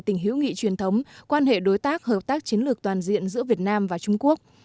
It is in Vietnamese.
tình hữu nghị truyền thống quan hệ đối tác hợp tác chiến lược toàn diện giữa việt nam và trung quốc